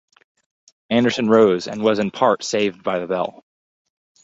Anderson rose and was in part saved by the bell.